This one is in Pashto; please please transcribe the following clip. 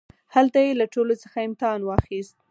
هلته يې له ټولوڅخه امتحان واخيست.